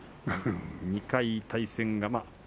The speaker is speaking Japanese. ２回対戦が。